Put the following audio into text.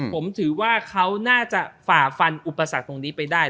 ผมถือว่าเขาน่าจะฝ่าฟันอุปสรรคตรงนี้ไปได้